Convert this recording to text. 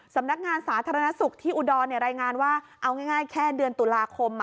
สำนักงานสาธารณสุขที่อุดรรายงานว่าเอาง่ายแค่เดือนตุลาคม